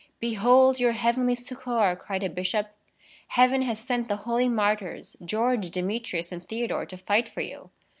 "Behold your heavenly succor!" cried a bishop. "Heaven has sent the holy martyrs, George, Demetrius, and Theodore to fight for you!"